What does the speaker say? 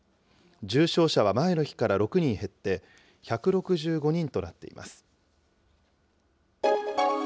重症者は前の日から６人減って１６５人となっています。